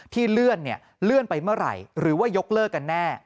เลื่อนเลื่อนไปเมื่อไหร่หรือว่ายกเลิกกันแน่